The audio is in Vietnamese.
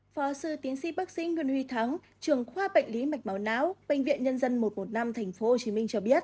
phó sư tiến sĩ bác sĩ nguyễn huy thắng trường khoa bệnh lý mạch máu não bệnh viện nhân dân một trăm một mươi năm tp hcm cho biết